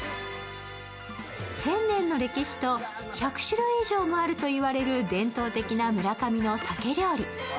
１０００年の歴史と１００種類以上もあるといわれる伝統的な村上の鮭料理。